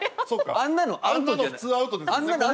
あんなの普通アウトですよね。